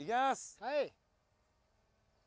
はい。